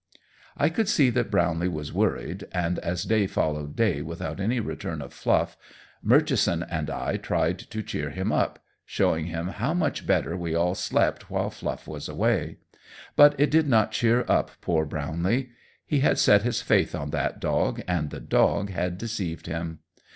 I could see that Brownlee was worried, and as day followed day without any return of Fluff, Murchison and I tried to cheer him up, showing him how much better we all slept while Fluff was away; but it did not cheer up poor Brownlee. He had set his faith on that dog, and the dog had deceived him.